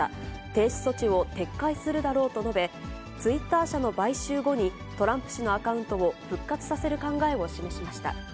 停止措置を撤回するだろうと述べ、ツイッター社の買収後に、トランプ氏のアカウントを復活させる考えを示しました。